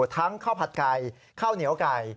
ทั้งข้าวผัดไก่ข้าวเหนียวไก่